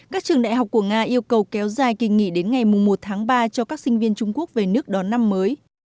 các trường đại học của nga yêu cầu kéo dài kỳ nghỉ đến ngày một tháng ba cho các sinh viên trung quốc về nước đón năm mới